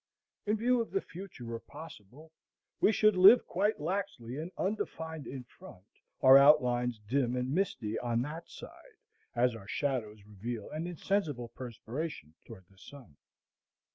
In view of the future or possible, we should live quite laxly and undefined in front, our outlines dim and misty on that side; as our shadows reveal an insensible perspiration toward the sun.